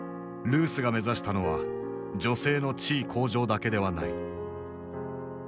ルースが目指したのは女性の地位向上だけではない。